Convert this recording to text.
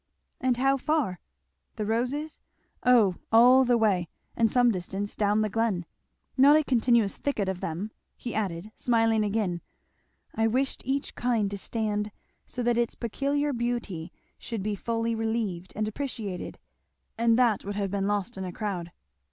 "And how far?" "The roses? O all the way, and some distance down the glen. Not a continuous thicket of them," he added smiling again, "I wished each kind to stand so that its peculiar beauty should be fully relieved and appreciated; and that would have been lost in a crowd."